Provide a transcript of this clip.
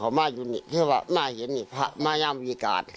แต่ไม่รู้ไม่รู้ว่าเป็นใครเข้ามา